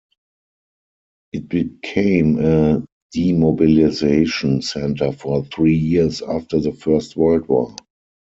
It became a demobilisation centre for three years after the First World War.